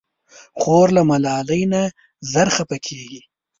خور له ملالۍ نه ژر خفه کېږي.